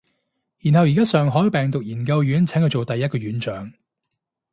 然後而家上海病毒研究院請佢做第一個院長